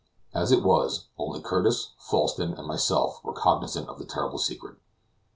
As it was, only Curtis, Falsten, and myself were cognizant of the terrible secret.